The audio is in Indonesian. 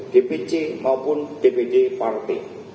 dpc maupun dpd partai